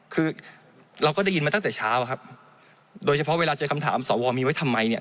คือเราก็ได้ยินมาตั้งแต่เช้าอะครับโดยเฉพาะเวลาเจอคำถามสวมีไว้ทำไมเนี่ย